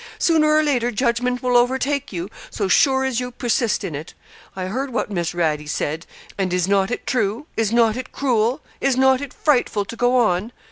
Sooner or later judgment will overtake you, so sure as you persist in it. I heard what Miss Radie said; and is not it true is not it cruel is not it frightful to go on?'